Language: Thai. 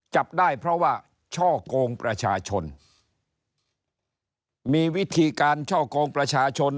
จับได้เพราะว่าช่อกงประชาชนมีวิธีการช่อกงประชาชน